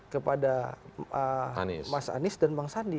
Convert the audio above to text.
kepada mas anies dan bang sandi